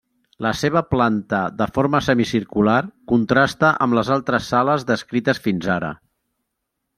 La seva planta de forma semicircular contrasta amb les altres sales descrites fins ara.